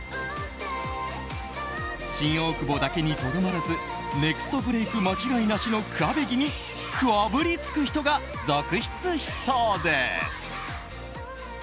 新大久保だけにとどまらずネクストブレーク間違いなしのクァベギにクァぶりつく人が続出しそうです。